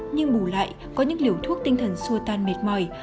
nhưng bù lại có những liều thuốc tinh thần xua tan mệt mỏi